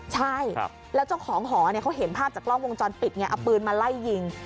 ใช่แล้วเจ้าของหอเขาเห็นภาพจากกล้องวงจรปิดไงเอาปืนมาไล่ยิง